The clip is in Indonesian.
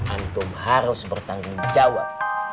antum harus bertanggung jawab